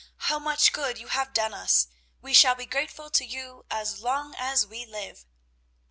how much good you have done us! We shall be grateful to you as long as we live."